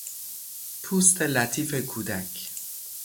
پوست لطیف کودک